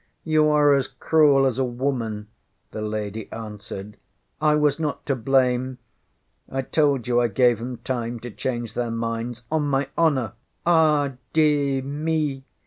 ŌĆÖ ŌĆśYou are as cruel as a woman, ŌĆÖ the lady answered. ŌĆśI was not to blame. I told you I gave ŌĆśem time to change their minds. On my honour (ay de mi!)